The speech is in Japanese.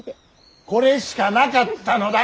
これしかなかったのだ！